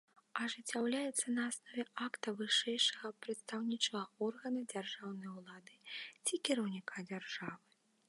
Ажыццяўляецца на аснове акта вышэйшага прадстаўнічага органа дзяржаўнай улады ці кіраўніка дзяржавы.